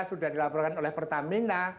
sudah dilaporkan oleh pertamina